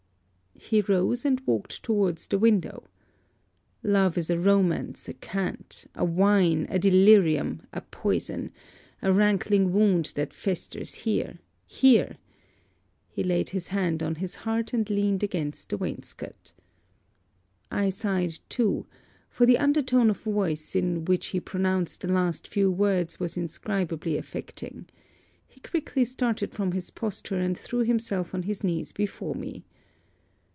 He rose; and walked towards the window. 'Love is a romance; a cant; a whine; a delirium; a poison; a rankling wound that festers here, here!' he laid his hand on his heart, and leaned against the wainscot. I sighed too: for the under tone of voice in which he pronounced the last few words was in scribably affecting. He quickly started from this posture, and threw himself on his knees before me.